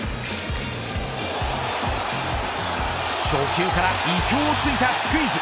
初球から意表をついたスクイズ。